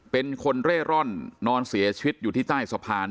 เป็นคนเร่ร่อนนอนเสียชีวิตอยู่ที่ใต้สะพาน